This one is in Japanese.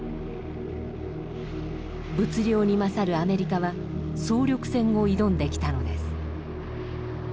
物量に勝るアメリカは総力戦を挑んできたのです。